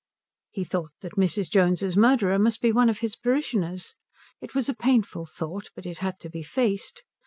He thought that Mrs. Jones's murderer must be one of his parishioners. It was a painful thought, but it had to be faced.